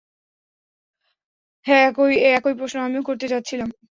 হ্যাঁ, একই প্রশ্ন আমিও করতে যাচ্ছিলাম।